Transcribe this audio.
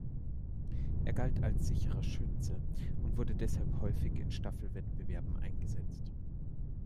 Er galt als sicherer Schütze und wurde deshalb häufig in Staffelwettbewerben eingesetzt.